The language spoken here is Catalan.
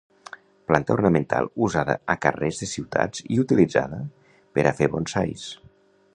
Planta ornamental usada a carrers de ciutats i utilitzada per a fer bonsais.